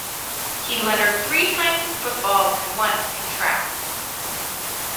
He lettered three times in football and once in track.